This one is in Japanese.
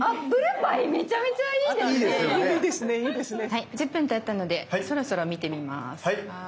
はい１０分たったのでそろそろ見てみます。